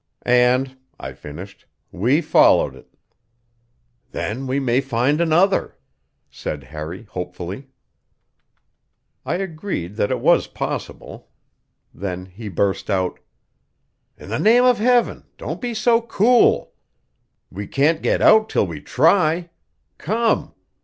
"And," I finished, "we followed it." "Then we may find another," said Harry hopefully. I agreed that it was possible. Then he burst out: "In the name of Heaven, don't be so cool! We can't get out till we try. Come!